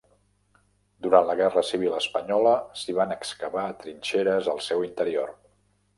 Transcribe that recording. Durant la Guerra Civil espanyola s'hi van excavar trinxeres al seu interior.